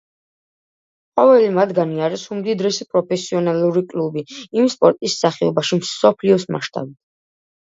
ყოველი მათგანი არის უმდიდრესი პროფესიონალური კლუბი იმ სპორტის სახეობაში მსოფლიოს მასშტაბით.